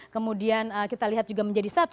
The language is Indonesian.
kemudian kita lihat juga menjadi satu